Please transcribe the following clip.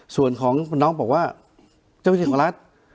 ส่วนของน้องบอกว่าเจ้าวิเชียนของรัฐ